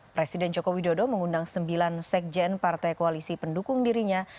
presiden joko widodo mengundang sembilan sekjen partai koalisi pendukung dirinya